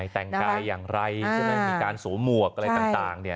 แต่งกายอย่างไรมีการสวมวกอะไรต่าง